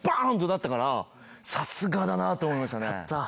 さすがだなと思いましたね。